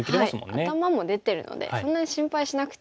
頭も出てるのでそんなに心配しなくていいですね。